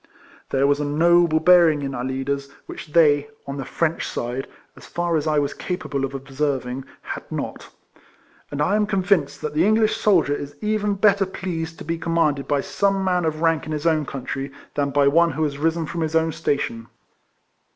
There was a noble bearing in our leaders, which they, on the French side (as far as T was capable of observing) had not; and I am convinced that the English soldier is even better pleased to be commanded by some man of rank in his own country, than by one who has risen from his own station.